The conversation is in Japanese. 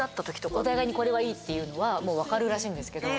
お互いにこれはいいっていうのは分かるらしいんですけど。